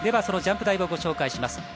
そのジャンプ台をご紹介します。